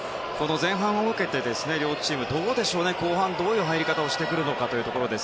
前半を受けて両チーム、どうでしょうか後半、どういう入り方をしてくるか。